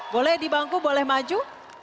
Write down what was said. boleh di bangku boleh maju